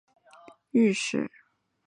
隆庆二年庞尚鹏升任右佥都御史。